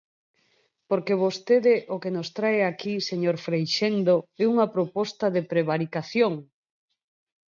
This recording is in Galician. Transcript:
Porque vostede o que nos trae aquí, señor Freixendo, é unha proposta de prevaricación.